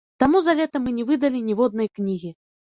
Таму за лета мы не выдалі ніводнай кнігі.